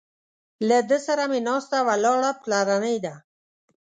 له ده سره مې ناسته ولاړه پلرنۍ ده.